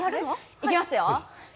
いきますよ。